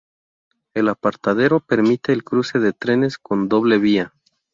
El apartadero permite el cruce de trenes con doble vía.